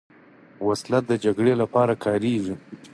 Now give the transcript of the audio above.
وسله د جګړې لپاره کارېږي